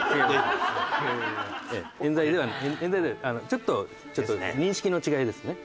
ちょっとちょっと認識の違いですね。